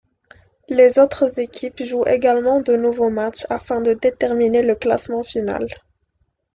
Les autres équipes jouent également de nouveaux matchs afin de déterminer le classement final.